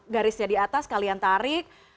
garisnya di atas kalian tarik